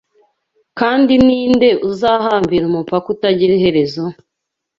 Kandi ninde uzahambira umupaka utagira iherezo